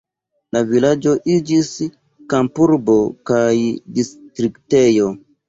La vilaĝo iĝis kampurbo kaj distriktejo.